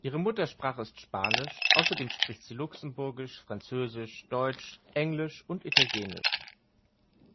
Ihre Muttersprache ist Spanisch, außerdem spricht sie Luxemburgisch, Französisch, Deutsch, Englisch und Italienisch.